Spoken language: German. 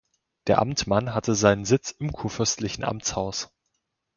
Der Amtmann hatte seinen Sitz im kurfürstlichen Amtshaus.